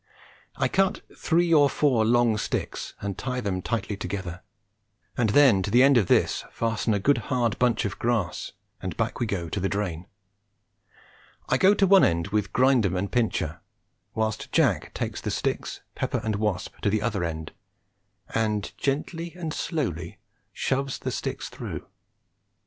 I cut three or four long sticks and tie them tightly together, and then to the end of this fasten a good hard bunch of grass, and back we go to the drain. I go to one end with Grindum and Pincher, whilst Jack takes the sticks, Pepper and Wasp to the other end, and gently and slowly shoves the sticks through.